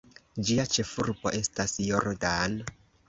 Ĝia ĉefurbo estas "Jordan".